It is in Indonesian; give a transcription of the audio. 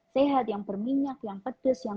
sehat yang berminyak yang pedes yang